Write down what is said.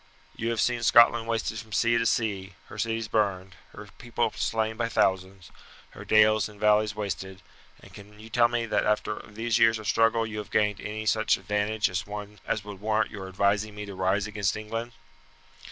You have seen Scotland wasted from sea to sea, her cities burned, her people slain by thousands, her dales and valleys wasted; and can you tell me that after these years of struggle you have gained any such advantage as would warrant your advising me to rise against England?"